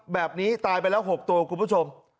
แบบนี้ตายไปแล้ว๖ตัวคุณผู้ชม